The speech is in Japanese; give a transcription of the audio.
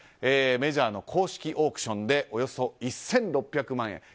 メジャーの公式オークションでおよそ１６００万円。